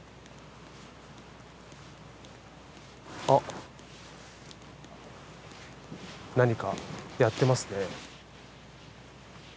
あっ何かやってますね。